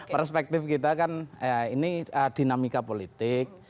perspektif kita kan ini dinamika politik